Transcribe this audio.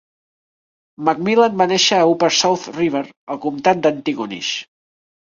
MacMillan va néixer a Upper South River al Comtat d'Antigonish.